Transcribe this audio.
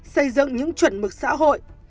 xây dựng những chuẩn mực xã hội